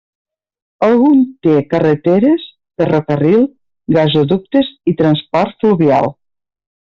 Ogun té carreteres, ferrocarril, gasoductes i transport fluvial.